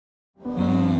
うん。